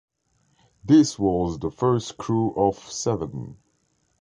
This was the first crew of seven.